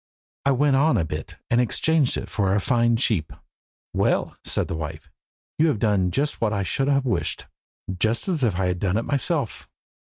"I went on a bit, and exchanged it for a fine sheep." "Well," said the wife, "you have done just what I should have wished just as if I had done it myself.